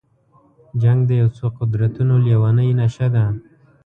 جنګ د یو څو قدرتونو لېونۍ نشه ده.